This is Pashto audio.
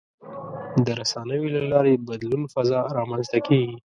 د رسنیو له لارې د بدلون فضا رامنځته کېږي.